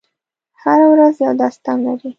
هره ورځ یو داستان لري.